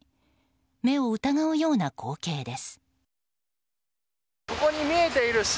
目を疑うような光景です。